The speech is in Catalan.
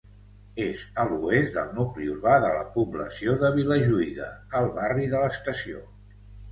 És a l'oest del nucli urbà de la població de Vilajuïga, al barri de l'Estació.